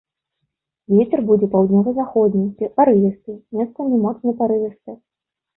Вецер будзе паўднёва-заходні парывісты, месцамі моцны парывісты.